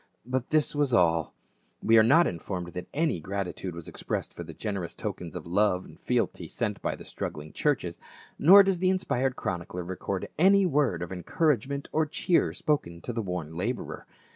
But this was all ; we are not informed that any grat itude was expressed for the generous tokens of love and fealty sent by the struggling churches, nor does the inspired chronicler record any word of encourage ment or cheer spoken to the worn laborer.